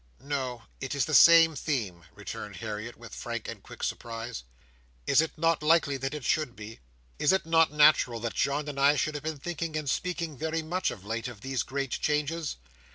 "No, it is the same theme," returned Harriet, with frank and quick surprise. "Is it not likely that it should be? Is it not natural that John and I should have been thinking and speaking very much of late of these great changes?